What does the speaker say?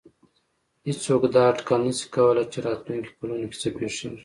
هېڅوک دا اټکل نه شي کولای چې راتلونکو کلونو کې څه پېښېږي.